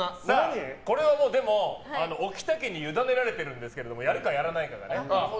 これはもう置田家に委ねられているんですけどやるか、やらないか。